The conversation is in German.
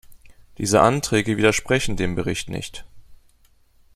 Diese Anträge widersprechen dem Bericht nicht.